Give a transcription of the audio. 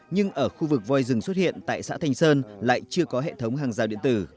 nhưng ở khu vực voi rừng xuất hiện tại xã thành sơn lại chưa có hệ thống hàng rào điện tử